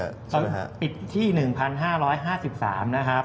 ตอนนี้ปิดที่๑๕๕๓นะครับ